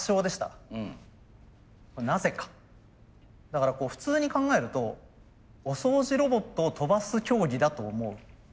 だからこう普通に考えるとお掃除ロボットを跳ばす競技だと思う。